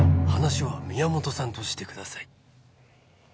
「話は宮本さんとしてください」